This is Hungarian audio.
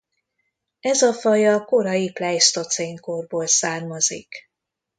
Ez a faj a korai pleisztocén korból származik.